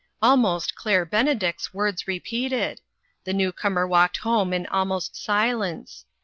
Almost Claire Benedict's words repeated. The newcomer walked home in almost si lence.